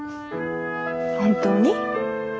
本当に？